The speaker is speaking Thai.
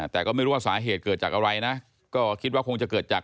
แต่ก็ไม่รู้ว่าสาเหตุเกิดจากอะไรนะก็คิดว่าคงจะเกิดจาก